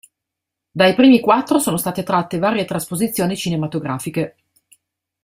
Dai primi quattro sono state tratte varie trasposizioni cinematografiche.